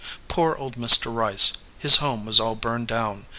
Poor old Mr. Rice, his home was all burned down.